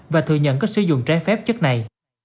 và thừa nhận có sử dụng trái phép chất này